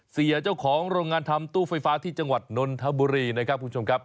เสียเจ้าของโรงงานทำตู้ไฟฟ้าที่จังหวัดนนทบุรีนะครับคุณผู้ชมครับ